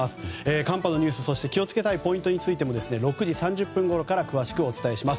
寒波のニュース、そして気を付けたいポイントについても６時３０分ごろから詳しくお伝えします。